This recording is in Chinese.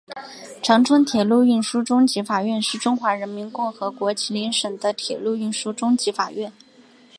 长春铁路运输中级法院是中华人民共和国吉林省的铁路运输中级法院。